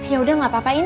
yaudah gapapa in